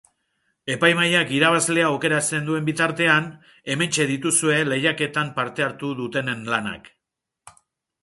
Epaimahaiak irabazlea aukeratzen duen bitartean, hementxe dituzue lehiaketan parte hartu dutenen lanak.